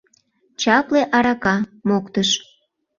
— Чапле арака, — моктыш.